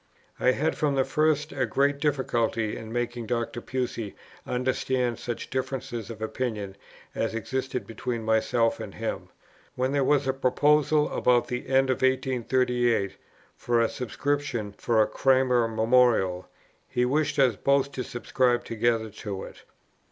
I had from the first a great difficulty in making Dr. Pusey understand such differences of opinion as existed between himself and me. When there was a proposal about the end of 1838 for a subscription for a Cranmer Memorial, he wished us both to subscribe together to it.